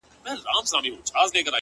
• گراني دا هيله كوم ـ